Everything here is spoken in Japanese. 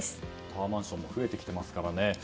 タワーマンションも増えてきていますからね。